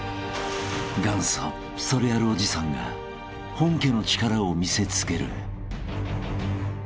［元祖それあるおじさんが本家の力を見せつける］